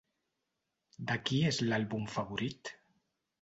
De qui és l'àlbum favorit?